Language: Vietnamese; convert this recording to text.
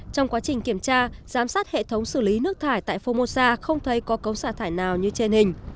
trong quá trình kiểm tra giám sát hệ thống xử lý nước thải tại formosa không thấy có cống xả thải nào như trên hình